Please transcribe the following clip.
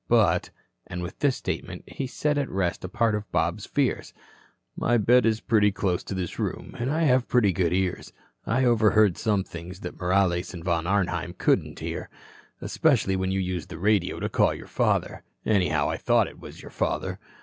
But" and with this statement he set at rest a part of Bob's fears "my bed is pretty close to this room an' I have pretty good ears. I overheard some things that Morales and Von Arnheim couldn't hear, especially when you used the radio to call your father. Anyhow, I thought it was your father.